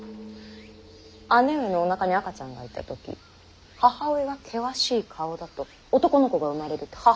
姉上のおなかに赤ちゃんがいた時母親が険しい顔だと男の子が生まれるって義母上が言って。